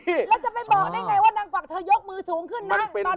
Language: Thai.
แล้วจะไปบอกได้ไงว่านางกวักเธอยกมือสูงขึ้นนะ